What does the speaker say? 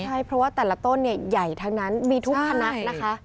ใช่เพราะว่าแต่ละต้นเนี่ยใหญ่ทั้งนั้นมีทุกพนักนะคะ